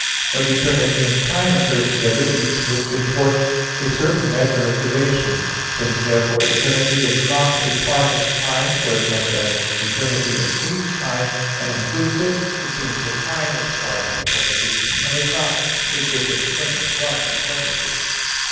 But eternity and time occur together, each of which imports a certain measure of duration. Since therefore eternity is not a part of time, forasmuch as eternity exceeds time, and includes it, it seems that time is a part of eternity, and is not a different thing from eternity.